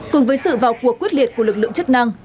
cùng với sự vào cuộc quyết liệt của lực lượng chức năng